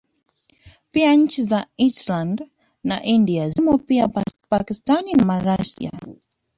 Pia nchi za Thailand na India zimo pia Pakistani na Malaysia